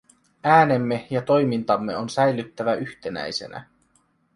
Äänemme ja toimintamme on säilyttävä yhtenäisenä.